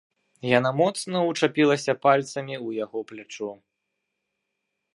Яна моцна ўчапілася пальцамі ў яго плячо.